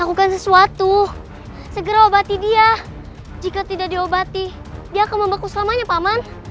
lakukan sesuatu segera obati dia jika tidak diobati dia akan membeku selamanya paman